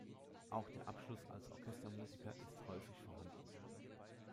Auch der Abschluss als Orchestermusiker ist häufig vorhanden.